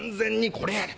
これ。